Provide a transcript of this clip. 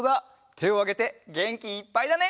てをあげてげんきいっぱいだね！